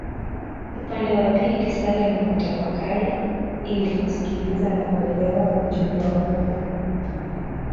Upande wa pili sala ni kutafakari ili kusikiliza na kuelewa ujumbe wa Mungu.